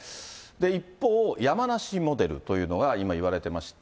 一方、山梨モデルというのが今いわれていまして。